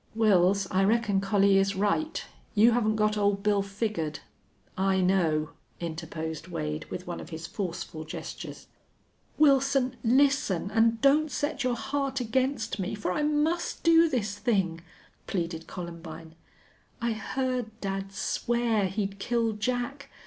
"Wils, I reckon Collie is right. You haven't got Old Bill figured. I know," interposed Wade, with one of his forceful gestures. "Wilson, listen, and don't set your heart against me. For I must do this thing," pleaded Columbine. "I heard dad swear he'd kill Jack.